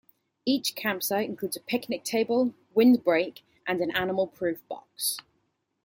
Each campsite includes a picnic table, wind break and an animal-proof box.